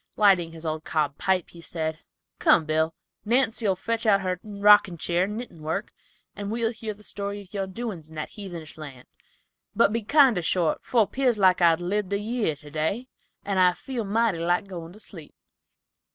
Lighting his old cob pipe he said, "Come, Bill, Nancy'll fetch out her rockin' cheer and knittin' work, and we'll hear the story of your doin's in that heathenish land, but be kinder short, for pears like I'd lived a year today, and I feel mighty like goin' to sleep."